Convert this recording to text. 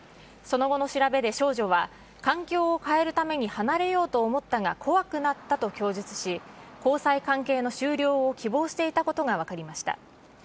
その後の調べで少女は、環境を変えるために離れようと思ったが、怖くなったと供述し、交際関係の終了を希望していたことが分かりました。